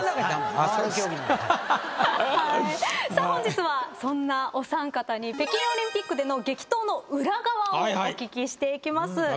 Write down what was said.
本日はそんなお三方に北京オリンピックでの激闘の裏側をお聞きしていきます。